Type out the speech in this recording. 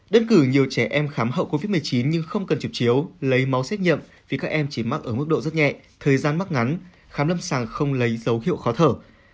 đơn cử nhiều trẻ em khám hậu covid một mươi chín nhưng không cần chụp chiếu lấy máu xét nghiệm vì các em chỉ mắc ở mức độ rất nhẹ thời gian mắc ngắn khám lâm sàng không lấy dấu hiệu khó thở